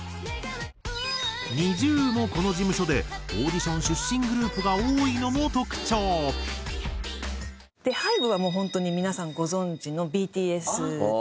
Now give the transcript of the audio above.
ＮｉｚｉＵもこの事務所でオーディション出身グループが多いのも特徴。でＨＹＢＥはもう本当に皆さんご存じのＢＴＳ。